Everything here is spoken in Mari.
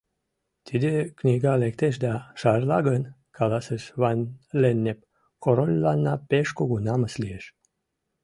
— Тиде книга лектеш да шарла гын, — каласыш Ван-Леннеп, корольланна пеш кугу намыс лиеш.